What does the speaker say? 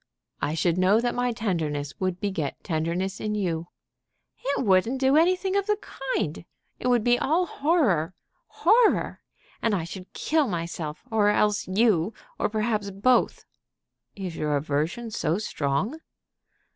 "I should know that my tenderness would beget tenderness in you." "It wouldn't do anything of the kind. It would be all horror, horror. I should kill myself, or else you, or perhaps both." "Is your aversion so strong?"